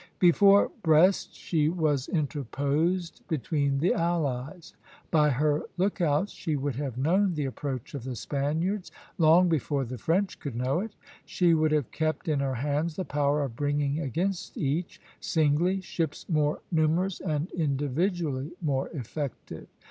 Before Brest she was interposed between the allies; by her lookouts she would have known the approach of the Spaniards long before the French could know it; she would have kept in her hands the power of bringing against each, singly, ships more numerous and individually more effective.